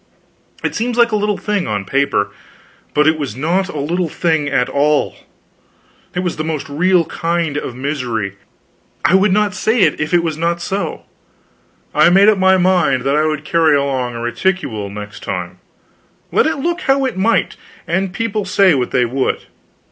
It seems like a little thing, on paper, but it was not a little thing at all; it was the most real kind of misery. I would not say it if it was not so. I made up my mind that I would carry along a reticule next time, let it look how it might, and people say what they would.